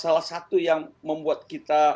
salah satu yang membuat kita